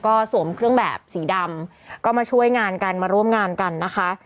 ก็สวมเครื่องแบบสีดำก็มาช่วยงานกันมาร่วมงานกันนะคะ